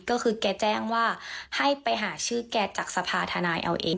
ก็คือแกแจ้งว่าให้ไปหาชื่อแกจากสภาธนายเอาเอง